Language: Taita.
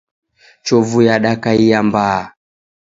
Chovu yadakaia mbaha